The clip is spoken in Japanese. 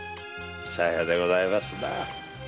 さようでございますな。